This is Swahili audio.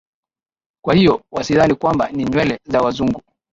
kwa hiyo wasidhani kwamba ni nywele za wazungu